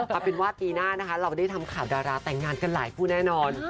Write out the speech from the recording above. เอาเป็นว่าปีหน้านะคะเราได้ทำข่าวดาราแต่งงานกันหลายคู่แน่นอน